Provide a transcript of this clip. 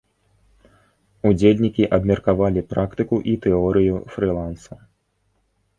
Удзельнікі абмеркавалі практыку і тэорыю фрылансу.